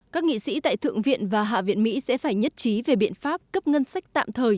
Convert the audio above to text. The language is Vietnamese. các nghị sĩ tại thượng viện và hạ viện mỹ sẽ phải nhất trí về biện pháp cấp ngân sách tạm thời